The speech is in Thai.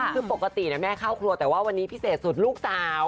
คือปกติแม่เข้าครัวแต่ว่าวันนี้พิเศษสุดลูกสาว